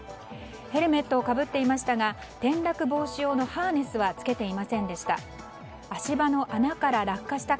ヘルメットをかぶっていましたが転落防止用のハーネスはつけていませんでした。